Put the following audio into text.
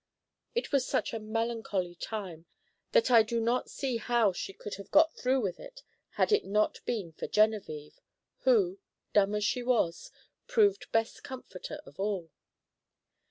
It was such a melancholy time that I do not see how she could have got through with it, had it not been for Genevieve, who, dumb as she was, proved best comforter of all.